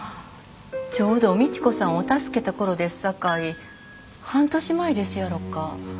ちょうど美知子さんを助けたころですさかい半年前ですやろか。